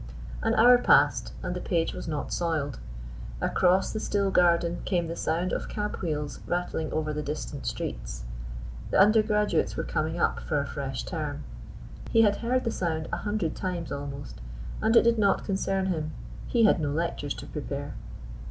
An hour passed, and the page was not soiled. Across the still garden came the sound of cab wheels rattling over the distant streets. The undergraduates were coming up for a fresh term. He had heard the sound a hundred times, almost; and it did not concern him. He had no lectures to prepare.